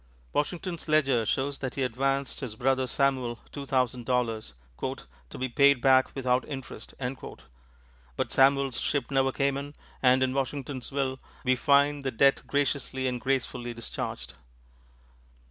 Washington's ledger shows that he advanced his brother Samuel two thousand dollars, "to be paid back without interest." But Samuel's ship never came in, and in Washington's will we find the debt graciously and gracefully discharged.